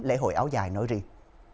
lễ hội áo dài nói riêng